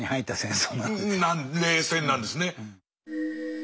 冷戦なんですね。